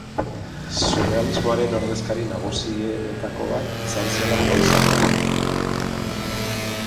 Surrealismoaren ordezkari nagusienetako bat izan zela jo izan da.